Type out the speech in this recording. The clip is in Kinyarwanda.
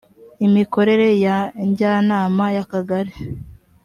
imikorere ya njyanama y akagari